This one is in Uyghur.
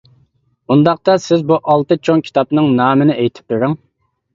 ئۇنداقتا سىز بۇ ئالتە چوڭ كىتابنىڭ نامىنى ئېيتىپ بېرىڭ.